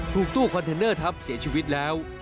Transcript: ตู้คอนเทนเนอร์ทับเสียชีวิตแล้ว